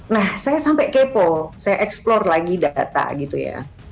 nah saya sampai kepo saya eksplore lagi data gitu ya